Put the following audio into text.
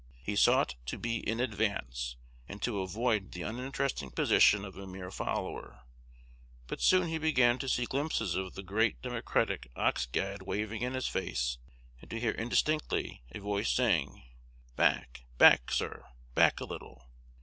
He sought to be in advance, and to avoid the uninteresting position of a mere follower; but soon he began to see glimpses of the great Democratic ox gad waving in his face, and to hear indistinctly a voice saying, "Back!" "Back, sir!" "Back a little!"